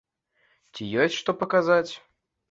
Ці ёсць што паказаць?